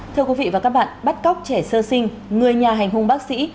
thưa quý vị và các bạn bắt cóc trẻ sơ sinh người nhà hành hung bác sĩ